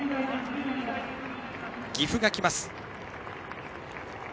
岐阜が来ます。